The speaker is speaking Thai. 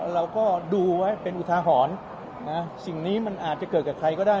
เราก็ดูไว้เป็นอุทาหรณ์นะสิ่งนี้มันอาจจะเกิดกับใครก็ได้